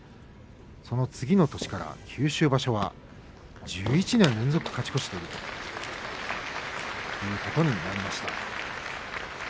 その次の年から九州場所は１１年連続で勝ち越しているということです。